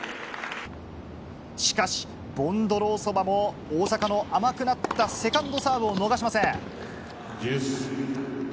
しかしボンドロウソバも大坂の甘くなったセカンドサーブを逃しません。